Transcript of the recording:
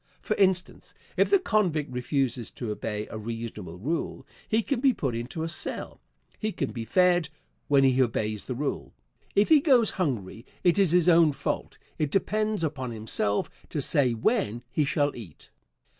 For instance, if the convict refuses to obey a reasonable rule he can be put into a cell. He can be fed when he obeys the rule. If he goes hungry it is his own fault. It depends upon himself to say when he shall eat.